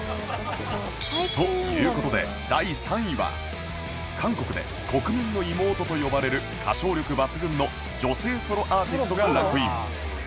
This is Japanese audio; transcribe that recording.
という事で第３位は韓国で「国民の妹」と呼ばれる歌唱力抜群の女性ソロアーティストがランクイン